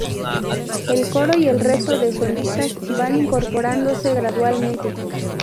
El coro y el resto de solistas van incorporándose gradualmente.